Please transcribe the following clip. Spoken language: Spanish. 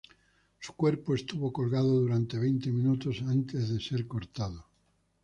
Su cuerpo estuvo colgado durante veinte minutos antes de ser cortado.